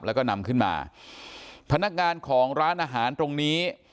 แล้วก็นำขึ้นมาพนักงานของร้านอาหารตรงนี้